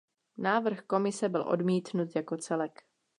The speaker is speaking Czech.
Návrh Komise byl odmítnut jako celek.